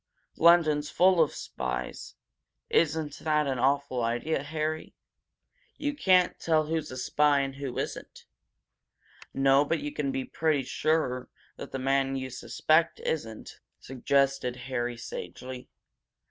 London's full of spies. Isn't that an awful idea, Harry? You can't tell who's a spy and who isn't!" "No, but you can be pretty sure that the man you suspect isn't," suggested Harry, sagely.